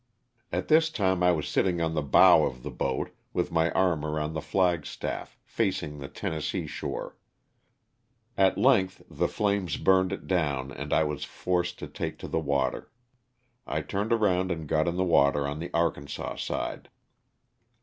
At this time I was sitting on the bow of the boat with my arm around the flag staff, facing the Tennessee shore. At length the flames burned it down and I was forced to take to the water. I turned around and got in the water on the Arkansas side.